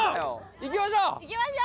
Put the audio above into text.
行きましょう。